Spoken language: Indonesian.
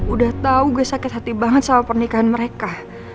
udah tau gue sakit hati banget soal pernikahan mereka